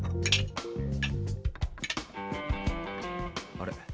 あれ？